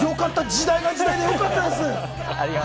時代が時代でよかったです。